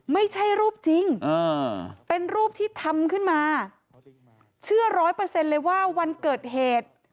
ไม่ใช่รูปจริงเป็นรูปที่ทำขึ้นมาเชื่อร้อยเปอร์เซ็นต์เลยว่าวันเกิดเหตุ